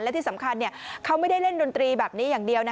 และที่สำคัญเขาไม่ได้เล่นดนตรีแบบนี้อย่างเดียว